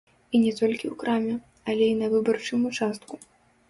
І не толькі ў краме, але і на выбарчым участку.